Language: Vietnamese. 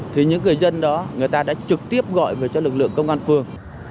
thì những người dân đó người ta đã trực tiếp gọi về cho lực lượng công an phường